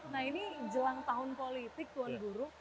nah ini jelang tahun politik tuan guru